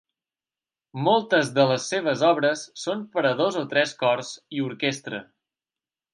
Moltes de les seves obres són per a dos o tres cors i orquestra.